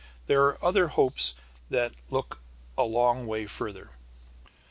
There are other hopes that look a long way further.